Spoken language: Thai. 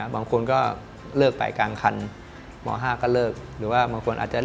บางคนก็เลิกไปกลางคันม๕ก็เลิก